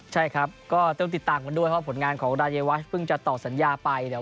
ใช่ครับก็ต้องติดตามกันด้วยเพราะผลงานของรายวัชเพิ่งจะต่อสัญญาไปเดี๋ยว